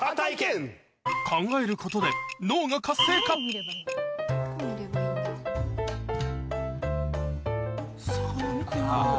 考えることで脳が活性化あぁ。